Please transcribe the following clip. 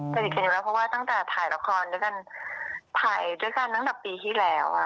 สนิทอยู่แล้วตั้งแต่ถ่ายละครถ่ายด้วยกันตั้งแต่ปีอีกทีแล้ว